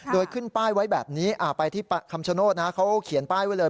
โดยขึ้นป้ายไว้แบบนี้ไปที่คำชโนธนะเขาเขียนป้ายไว้เลย